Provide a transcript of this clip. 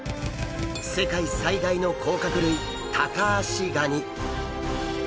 世界最大の甲殻類タカアシガニ。